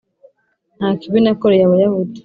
Nta kibi nakoreye Abayahudi